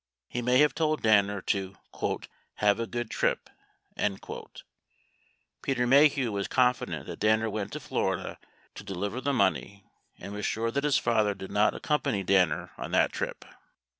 He may have told Danner to "have a good trip." 72 Peter Maheu was con fident that Danner went to Florida to deliver the money 73 and was sure that his father did not accompany Danner on that trip.